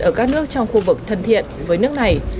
ở các nước trong khu vực thân thiện với nước này